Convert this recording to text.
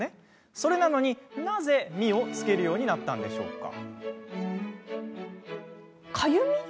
それなのに、なぜ「み」をつけるようになったのでしょうか。